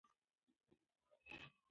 له دیوالونو څخه د خاموشۍ غږ راځي.